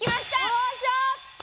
よいしょ！